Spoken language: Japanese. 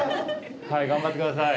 はい頑張って下さい。